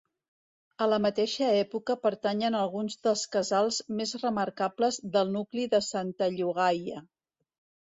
A la mateixa època pertanyen alguns dels casals més remarcables del nucli de Santa Llogaia.